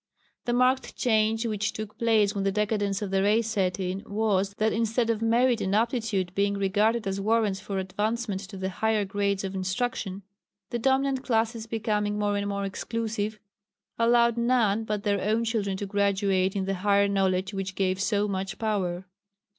The marked change which took place when the decadence of the race set in was, that instead of merit and aptitude being regarded as warrants for advancement to the higher grades of instruction, the dominant classes becoming more and more exclusive allowed none but their own children to graduate in the higher knowledge which gave so much power.